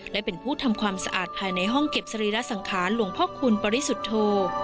และเป็นผู้ทำความสะอาดภายในห้องเก็บสรีระสังขารหลวงพ่อคุณปริสุทธโธ